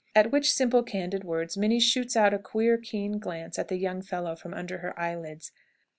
At which simple, candid words Minnie shoots out a queer, keen glance at the young fellow from under her eyelids.